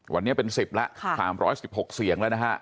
วันนี้เป็น๑๐แล้ว๓๑๖เสียงแล้วนะฮะ